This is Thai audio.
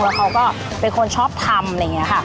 แล้วเขาก็เป็นคนชอบทำอะไรอย่างนี้ค่ะ